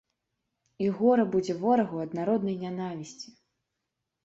І гора будзе ворагу ад народнай нянавісці!